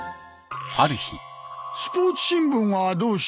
スポーツ新聞はどうした？